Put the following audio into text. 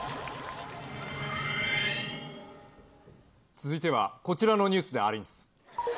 続いてはこちらのニュースでありんす。